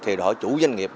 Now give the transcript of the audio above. thì đòi hỏi chủ doanh nghiệp